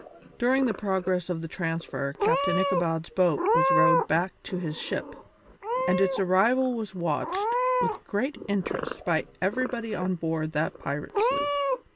During the progress of the transfer Captain Ichabod's boat was rowed back to his ship, and its arrival was watched with great interest by everybody on board that pirate sloop.